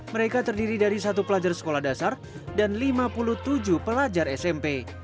mereka terdiri dari satu pelajar sekolah dasar dan lima puluh tujuh pelajar smp